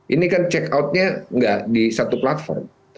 ini kan check out nya nggak di satu platform